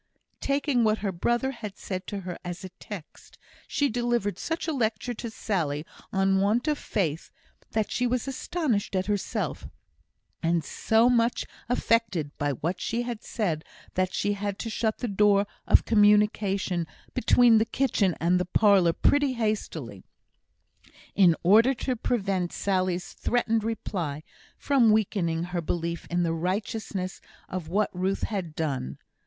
Taking what her brother had said to her as a text, she delivered such a lecture to Sally on want of faith that she was astonished at herself, and so much affected by what she had said that she had to shut the door of communication between the kitchen and the parlour pretty hastily, in order to prevent Sally's threatened reply from weakening her belief in the righteousness of what Ruth had done.